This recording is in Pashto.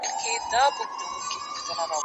زه اوږده وخت د زده کړو تمرين کوم!؟